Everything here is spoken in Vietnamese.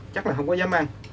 chắc là không có dám ăn